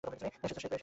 এসেছে সে, সে তুমি।